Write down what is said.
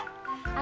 あ！